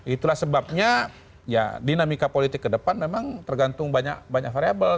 itulah sebabnya ya dinamika politik ke depan memang tergantung banyak variable